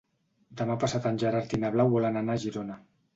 Demà passat en Gerard i na Blau volen anar a Girona.